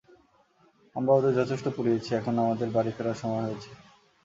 আমরা ওদের যথেষ্ট পুড়িয়েছি, এখন আমাদের বাড়ি ফেরার সময় হয়েছে।